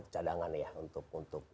cadangan ya untuk